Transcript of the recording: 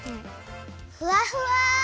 ふわふわ！